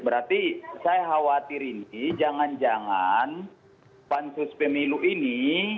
berarti saya khawatir ini jangan jangan pansus pemilu ini